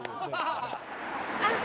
あっ！